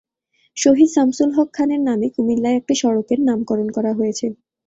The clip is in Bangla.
শহীদ সামসুল হক খানের নামে কুমিল্লায় একটি সড়কের নামকরণ করা হয়েছে।